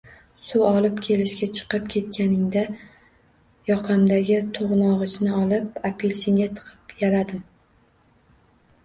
Suv olib kelishga chiqib ketganida, yoqamdagi to`g`nog`ichni olib, apelsinga tiqib yaladim